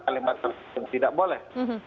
kalimat yang tidak boleh